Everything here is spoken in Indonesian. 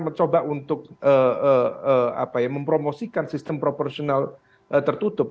mencoba untuk mempromosikan sistem proporsional tertutup